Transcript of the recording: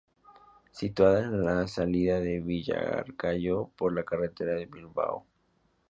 Situada a la salida de Villarcayo por la carretera de Bilbao.